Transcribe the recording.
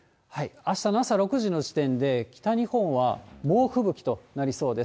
あしたの朝６時時点で、北日本は猛吹雪となりそうです。